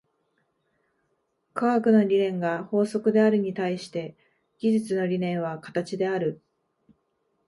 科学の理念が法則であるに対して、技術の理念は形である。